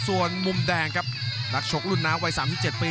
ส่วนมุมแดงครับนักชกรุ่นน้ำวัย๓๗ปี